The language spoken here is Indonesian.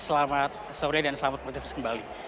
selamat sore dan selamat motif kembali